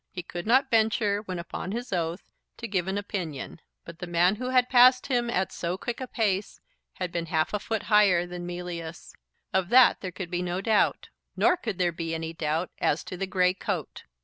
He could not venture, when upon his oath, to give an opinion. But the man who had passed him at so quick a pace had been half a foot higher than Mealyus; of that there could be no doubt. Nor could there be any doubt as to the grey coat.